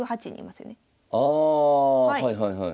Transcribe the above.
ああはいはいはい。